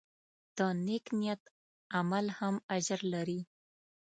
د نیک نیت عمل هم اجر لري.